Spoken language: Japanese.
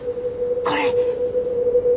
これ。